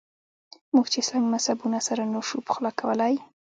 موږ چې اسلامي مذهبونه سره نه شو پخلا کولای.